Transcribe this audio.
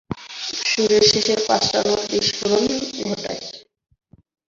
সুরের শেষের পাঁচটা নোট বিস্ফোরণ ঘটায়।